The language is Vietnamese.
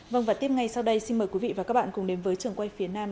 vâng và tiếp ngay sau đây xin mời quý vị và các bạn cùng đến với trường quay phía nam